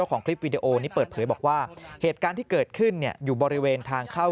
ของคลิปวิดีโอนี้เปิดเผยบอกว่าเหตุการณ์ที่เกิดขึ้นอยู่บริเวณทางเข้า